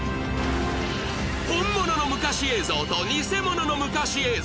本物の昔映像と偽物の昔映像